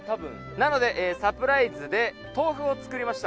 「なのでサプライズでとうふを作りました」。